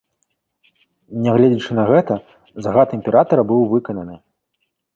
Нягледзячы на гэта, загад імператара быў выкананы.